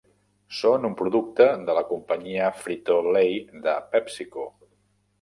Són un producte de la companyia Frito-Lay de PepsiCo.